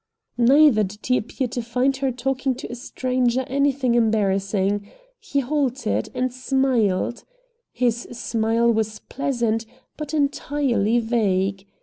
Neither did he appear to find in her talking to a stranger anything embarrassing. He halted and smiled. His smile was pleasant, but entirely vague.